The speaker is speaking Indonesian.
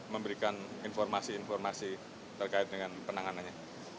memberikan informasi informasi terkait dengan penanganannya